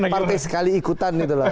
partai sekali ikutan gitu loh